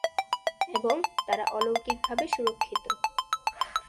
এবং তারা অলৌকিক ভাবে সুরক্ষিত।